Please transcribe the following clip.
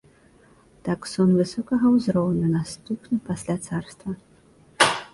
Таксон высокага ўзроўню, наступны пасля царства.